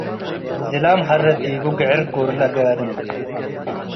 ዝላም ሀረት ዲቡ - ግዕር ጎርለ ጋድም